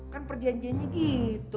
kan perjanjiannya gitu